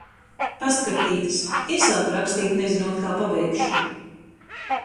Pastkartītes. Iesāku rakstīt, nezinot, kā pabeigšu.